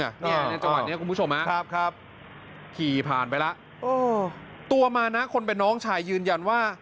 ในจังหวัดนี้คุณผู้ชมนะครับขี่ผ่านไปแล้วตัวมานะคนเป็นน้องชายยืนยันว่า